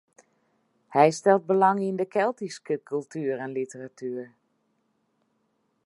Hy stelt belang yn de Keltyske kultuer en literatuer.